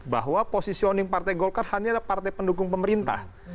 bahwa positioning partai golkar hanya ada partai pendukung pemerintah